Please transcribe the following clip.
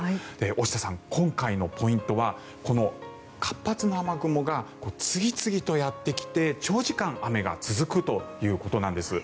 大下さん、今回のポイントはこの活発な雨雲が次々とやってきて、長時間雨が続くということなんです。